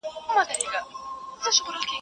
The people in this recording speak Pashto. د زمري داسي تابع وو لکه مړی.